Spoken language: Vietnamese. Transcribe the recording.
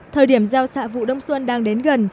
thời điểm gieo xạ vụ đông xuân đang đến gần